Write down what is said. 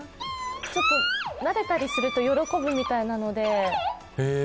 なでたりすると喜ぶみたいなので。